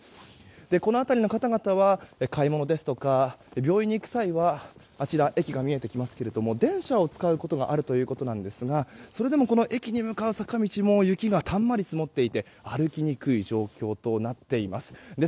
この辺りの方々は買い物ですとか病院に行く際は駅が見えてきますけれども電車を使うことがあるということですがそれでも駅に向かう坂道も雪がたんまり積もっていて歩きにくい状況となっています。